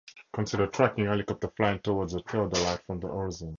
Consider tracking a helicopter flying towards the theodolite from the horizon.